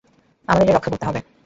আমাদের এটা রক্ষা করতে হবে।